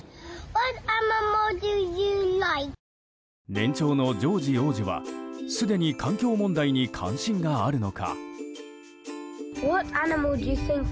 年長のジョージ王子はすでに環境問題に関心があるのか。